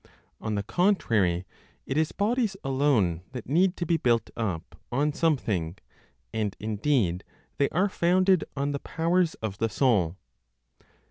On the contrary, it is bodies alone that need to be built up on something, and indeed, they are founded on the powers of the soul.